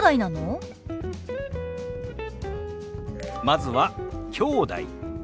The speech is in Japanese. まずは「きょうだい」。